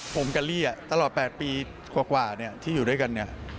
ผมกับลี่ตลอด๘ปีกว่าที่อยู่ด้วยกันเนี่ย